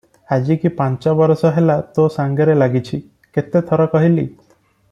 ଆଜିକି ପାଞ୍ଚ ବରଷ ହେଲା ତୋ ସାଙ୍ଗରେ ଲାଗିଛି, କେତେ ଥର କହିଲି!